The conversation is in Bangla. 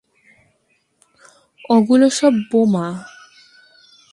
ওগুলো সব বোমা!